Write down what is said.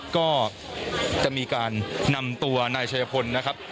ก็จะมีการนำตัวนายชายพลนะครับ